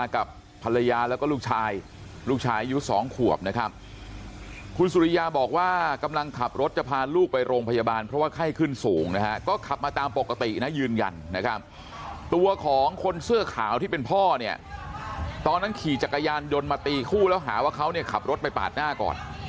คุณสุริยาบอกว่ากำลังขับรถจะพาลูกไปโรงพยาบาลเพราะว่าไข้ขึ้นสูงนะฮะก็ขับมาตามปกตินะยืนกันนะครับตัวของคนเสื้อขาวที่เป็นพ่อเนี่ยตอนนั้นขี่จักรยานโดนมาตีคู่แล้วหาว่าเขาเนี่ยขับรถไปปาดหน้าก่อน